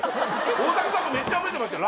大竹さんもめっちゃ覚えてますから。